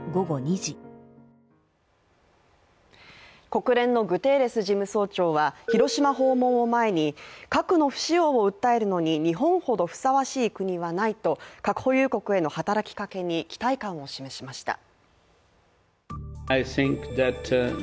国連のグテーレス事務総長は広島訪問を前に核の不使用を訴えるのに日本ほどふさわしい国はないと核保有国への働きかけに期待感を示しました。